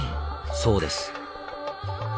そうです。